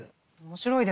面白い。